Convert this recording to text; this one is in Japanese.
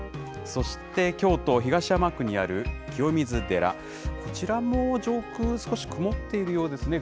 そして、京都・東山区にある清水寺、こちらも上空、少し曇っているようですね。